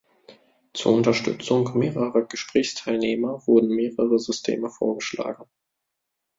Zur Unterstützung mehrerer Gesprächsteilnehmer wurden mehrere Systeme vorgeschlagen.